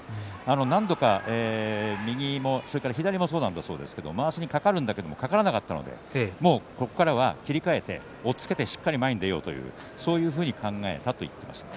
何度か右も左もそうなんですけれどもまわしに掛かるんだけれども掛からなかったのでここからは切り替えて押っつけてしっかり前に出ようとそういうふうに考えたということでした。